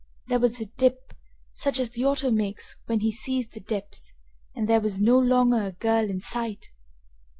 There was a dip such as the otter makes when he seeks the depths and there was no longer a girl in sight!